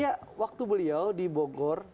ya waktu beliau di bogor